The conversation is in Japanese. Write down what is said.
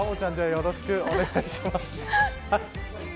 よろしくお願いします。